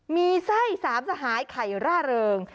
มีไส้๓สหายไข่ร่าเริง